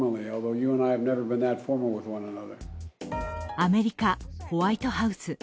アメリカ、ホワイトハウス。